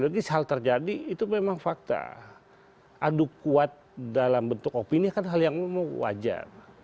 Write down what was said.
kita buat dalam bentuk opini kan hal yang wajar